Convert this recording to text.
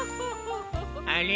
あれ？